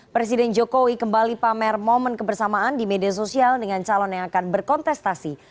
presiden jokowi kembali pamer momen kebersamaan di media sosial dengan calon yang akan berkontestasi